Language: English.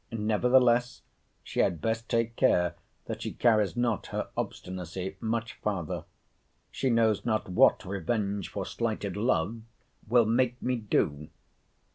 —Nevertheless, she had best take care that she carries not her obstinacy much farther. She knows not what revenge for slighted love will make me do.